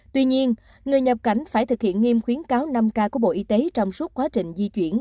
tuy nhiên người nhập cảnh phải thực hiện nghiêm khuyến cáo năm k của bộ y tế trong suốt quá trình di chuyển